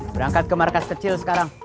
berangkat ke markas kecil sekarang